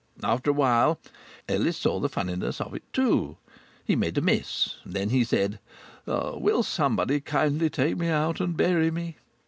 After a while Ellis saw the funniness of it too. He made a miss and then he said: "Will someone kindly take me out and bury me?"